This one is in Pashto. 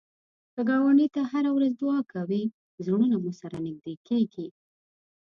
که ګاونډي ته هره ورځ دعا کوې، زړونه مو سره نږدې کېږي